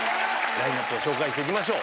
ラインアップを紹介して行きましょう。